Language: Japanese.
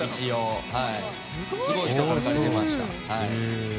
すごい人から借りられました。